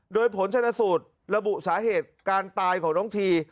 โดยผลชนสูตรระบุสาเหตุการตายของน้องที